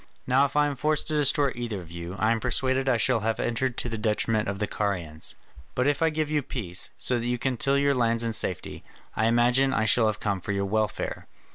Now if I am forced to destroy either of you, I am persuaded I shall have entered to the detriment of the Carians. But if I give you peace, so that you can till your lands in safety, I imagine I shall have come for your welfare.